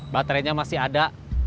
baterainya masih ada